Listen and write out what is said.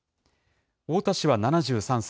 太田氏は７３歳。